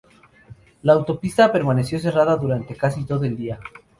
La autopista permaneció cerrada durante casi todo el día.